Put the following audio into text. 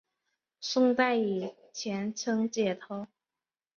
宋代以前称解头。